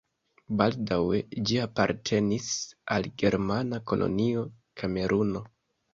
Baldaŭe ĝi apartenis al germana kolonio Kameruno.